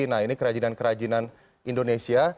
nah ini kerajinan kerajinan indonesia